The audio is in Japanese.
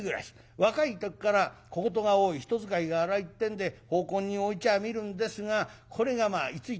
若い時から小言が多い人使いが荒いってんで奉公人を置いちゃみるんですがこれがまあ居ついてくれない。